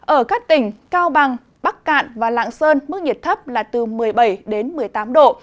ở các tỉnh cao bằng bắc cạn và lạng sơn mức nhiệt thấp là từ một mươi bảy đến một mươi tám độ